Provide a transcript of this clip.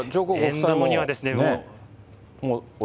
沿道には。